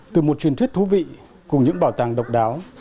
từ một truyền thuyết thú vị cùng những bảo tàng độc đáo